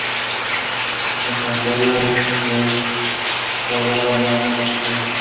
El santuario fue restaurado en más de una ocasión.